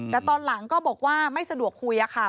แต่ตอนหลังก็บอกว่าไม่สะดวกคุยค่ะ